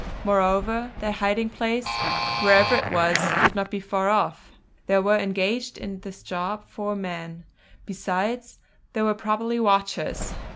Moreover, their hiding place, wherever it was, could not be far off. There were engaged in this job four men; besides, there were probably watchers.